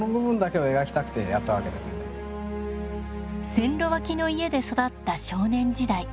線路脇の家で育った少年時代。